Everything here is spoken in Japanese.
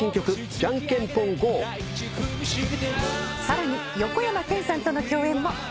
さらに横山剣さんとの共演も。